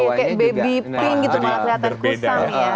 kayak baby pink gitu malah kelihatan kusam ya